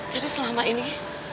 jadi selama ini